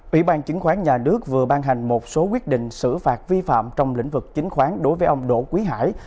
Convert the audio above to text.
ủy ban chứng khoán nhà nước vừa ban hành một số quyết định xử phạt vi phạm trong lĩnh vực chính khoán đối với ông đỗ quý hải